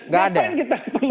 gak ada gak pernah kita perlu